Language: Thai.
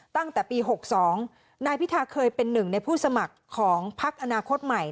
ตั้งแต่ปี๖๒นายพิธาเคยเป็นหนึ่งในผู้สมัครของพักอนาคตใหม่